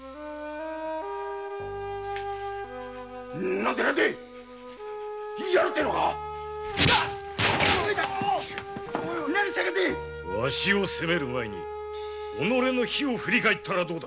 何でえやるってのか⁉わしを責める前に己の非を振り返ったらどうだ。